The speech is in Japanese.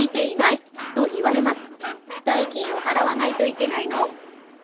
代金を払わないといけないの？